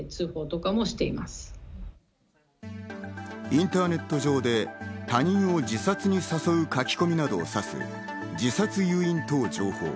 インターネット上で他人を自殺に誘う書き込みなどを指す自殺誘引等情報。